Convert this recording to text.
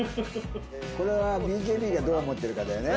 これはＢＫＢがどう思ってるかだよね。